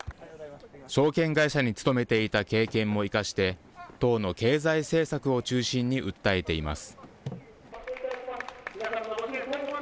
証券会社に勤めていた経験も生かして党の経済政策を中心に訴えています。